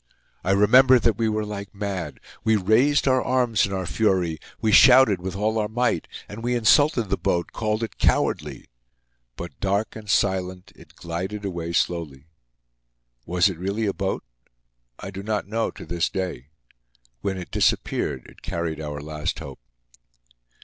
I remember that we were like mad. We raised our arms in our fury; we shouted with all our might. And we insulted the boat, called it cowardly. But, dark and silent, it glided away slowly. Was it really a boat? I do not know to this day. When it disappeared it carried our last hope.